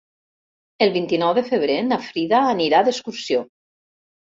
El vint-i-nou de febrer na Frida anirà d'excursió.